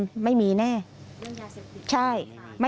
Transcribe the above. อยู่ดีมาตายแบบเปลือยคาห้องน้ำได้ยังไง